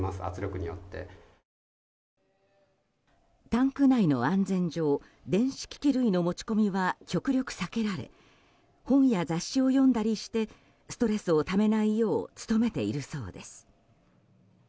タンク内の安全上電子機器類の持ち込みは極力避けられ本や雑誌を読んだりしてストレスをためないよう努めているそうです。